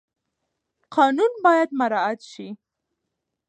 قانون باید مراعات شي.